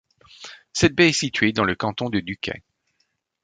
Cette baie est située dans le canton de Duquet.